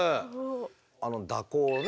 あの蛇行ね